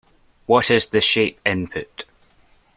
What is the shape input?